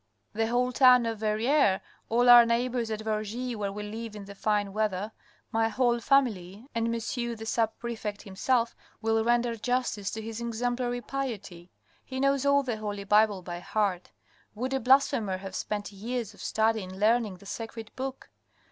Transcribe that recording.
The whole town of Verrieres, all our neighbours at Vergy, where we live in the fine weather, my whole family, and monsieur the sub prefect himself will render justice to his exemplary piety. He knows all the Holy Bible by heart. Would a blasphemer have spent years of study in learning the Sacred Book.